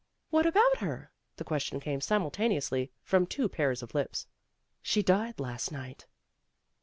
"What about her?" The question came simultaneously from two pairs of lips. "She died last night."